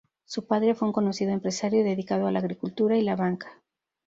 Su padre fue un conocido empresario dedicado a la agricultura y la banca.